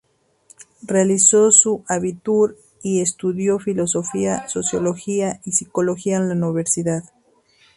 Realizó su "abitur" y estudió Filosofía, Sociología y Psicología en la universidad.